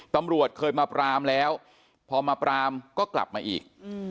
ตำรวจเคยมาปรามแล้วพอมาปรามก็กลับมาอีก